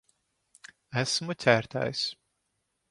Esmu ķertais.